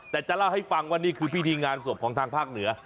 แต่จะเล่าให้ฟังว่านี่คือพิธีงานศพของทางภาคเหนือ